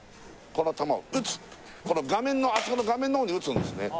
この球を打つこの画面のあそこの画面の方に打つんですね